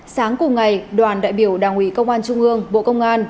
sáng cùng ngày đoàn đại biểu đảng ủy công an trung ương bộ công an